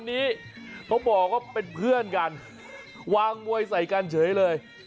อันนี้เขาบอกว่าเป็นเพื่อนกันวางมวยใส่กันเฉยเลย